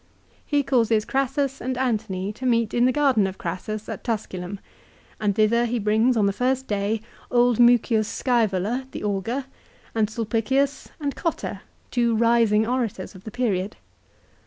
He causes Crassus and Antony to meet in the garden of Crassus at Tusculum, and thither he brings, on the first day, old Mucius Scasvola the Augur, and Sulpi cius and Gotta, two rising orators of the period.